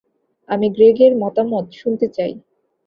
আমি গ্রেগের মতামত শুনতে চাই।